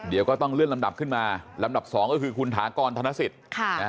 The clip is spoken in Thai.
เดี๋ยวก็ต้องเลื่อนลำดับขึ้นมาลำดับ๒ก็คือคุณถากรธนสิทธิ์